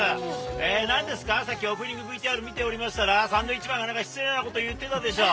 なんですか、さっき、オープニングＶＴＲ見てましたら、サンドウィッチマンがなんか失礼なこと言ってたでしょう。